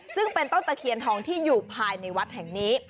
ซึ่งเป็นต้นตะเคียนทองที่อยู่ภายในวัดแห่งนี้